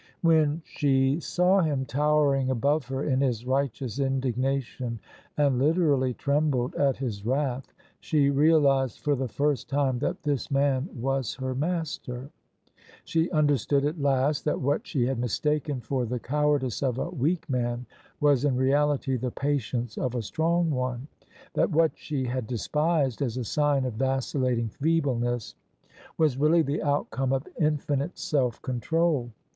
When she saw him towering above her in his righteous indignation, and literally trembled at his wrath, she realised for the first time that this man was her master: she understood at last that what she had mistaken for the cowardice of a weak man was in reality the patience of a strong one — that what she had despised as a sign of vacillating feebleness, was really the outcome of infinite self control.